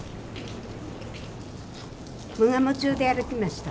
無我夢中で歩きました。